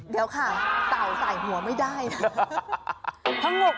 เดี๋ยวค่ะเต่าใส่หัวไม่ได้นะ